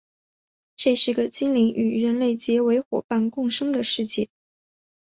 这是个精灵与人类结为夥伴共生的世界。